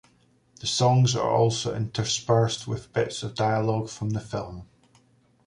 The songs are also interspersed with bits of dialogue from the film.